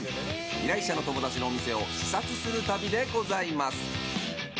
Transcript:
依頼者の友達のお店を視察する旅でございます。